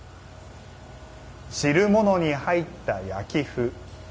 汁物に入った焼き麩。